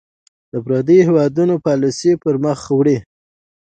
د پرديـو هېـوادونـو پالسـي پـر مــخ وړي .